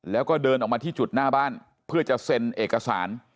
แล้วก็เดินออกมาที่จุดหน้าบ้านเพื่อจะเซ็นเอกสาร